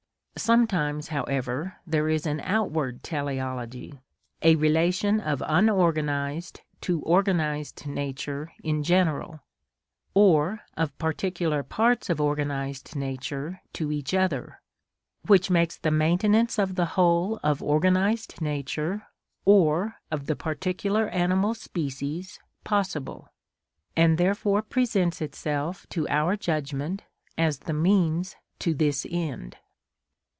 Sometimes, however, there is an outward teleology, a relation of unorganised to organised nature in general, or of particular parts of organised nature to each other, which makes the maintenance of the whole of organised nature, or of the particular animal species, possible, and therefore presents itself to our judgment as the means to this end.